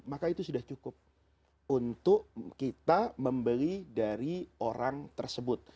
maka itu sudah cukup untuk kita membeli dari orang tersebut